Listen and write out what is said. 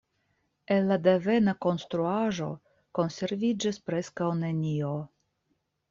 El la devena konstruaĵo konserviĝis preskaŭ nenio.